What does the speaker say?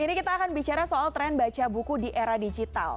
ini kita akan bicara soal tren baca buku di era digital